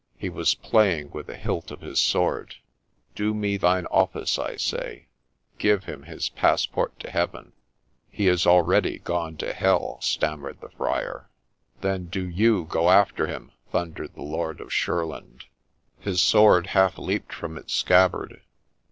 He was playing with the hilt of his sword. ' Do me thine office, I say. Give him his passport to Heaven !' 4 He is already gone to Hell !' stammered the Friar. ' Then do you go after him !' thundered the Lord of Shurland. His sword half leaped from its scabbard.